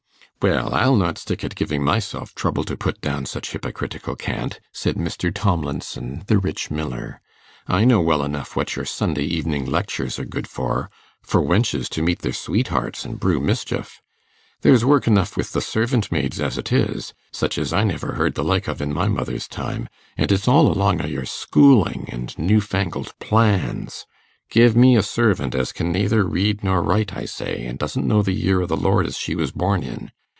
'Well! I'll not stick at giving myself trouble to put down such hypocritical cant,' said Mr. Tomlinson, the rich miller. 'I know well enough what your Sunday evening lectures are good for for wenches to meet their sweethearts, and brew mischief. There's work enough with the servant maids as it is such as I never heard the like of in my mother's time, and it's all along o' your schooling and newfangled plans. Give me a servant as can nayther read nor write, I say, and doesn't know the year o' the Lord as she was born in.